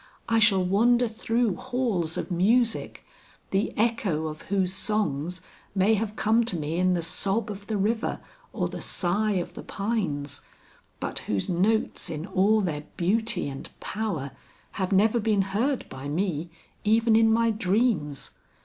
I shall wander through halls of music, the echo of whose songs may have come to me in the sob of the river or the sigh of the pines, but whose notes in all their beauty and power have never been heard by me even in my dreams.